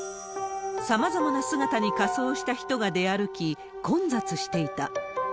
さまざまな姿に仮装した人が出歩き、混雑していた。